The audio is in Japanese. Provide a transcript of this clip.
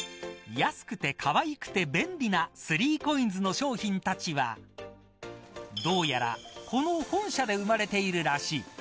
安くてかわいくて便利な３ＣＯＩＮＳの商品たちはどうやらこの本社で生まれているらしい。